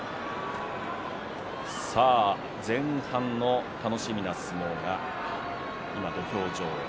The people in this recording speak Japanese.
前半の楽しみな相撲が今、土俵上。